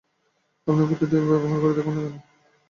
আপনি ঐ পদ্ধতি ব্যবহার করে দেখুন না কেন।